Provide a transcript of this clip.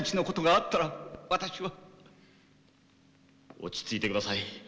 落ち着いてください。